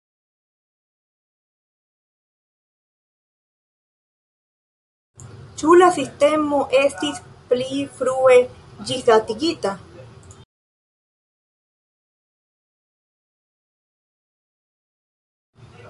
Ĉu la sistemo estis pli frue ĝisdatigita?